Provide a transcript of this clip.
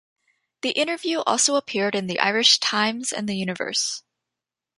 The interview also appeared in The Irish Times and The Universe.